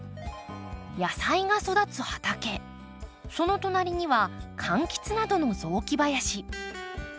野菜が育つ畑その隣には柑橘などの雑木林。